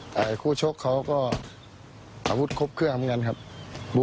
แต่คู่ชกเราก็เอาหมู่เข้าบาปเดียวกันครับ